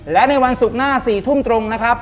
และในวันศุกร์หน้า๔ทุ่มตรงนะครับ